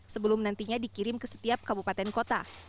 sebelum nantinya dikirim ke setiap kabupaten kota